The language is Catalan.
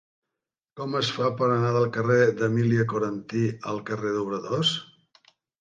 Com es fa per anar del carrer d'Emília Coranty al carrer d'Obradors?